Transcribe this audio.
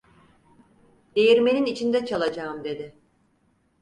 "Değirmenin içinde çalacağım!" dedi.